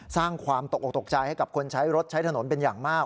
สร้างความตกออกตกใจให้กับคนใช้รถใช้ถนนเป็นอย่างมาก